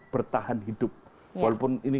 bertahan hidup walaupun ini